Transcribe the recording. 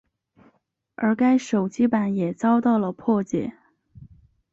而该手机版也遭到了破解。